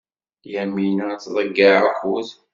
Yamina ad tḍeyyeɛ akud.